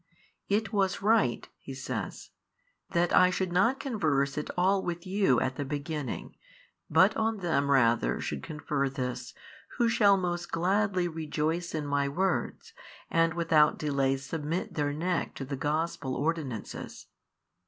It was right (He says) that I should not converse at all with you at the beginning but on them rather should confer this who shall most gladly rejoice in My words and without delay submit their neck to the Gospel ordinances.